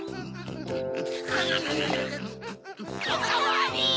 おかわり！